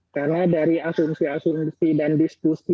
karena dari asumsi asumsi dan diskusi